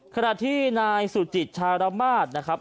ขณะที่นายสุจิตชารมาศนะครับ